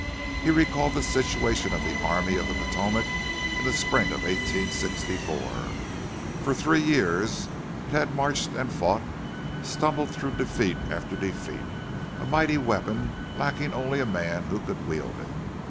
He recalled the situation of the Army of the Potomac in the spring of 1864; for three years it had marched and fought, stumbling through defeat after defeat, a mighty weapon, lacking only a man who could wield it.